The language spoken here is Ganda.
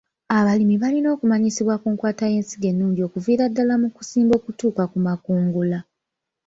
Abalimi balina okumanyisibwa ku nkwata y'ensigo ennungi okuviira ddala mu kusimba okutuuka ku makungula.